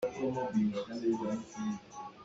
Kan arfa an kheoh tikah kaan ṭhenh ve te hna lai.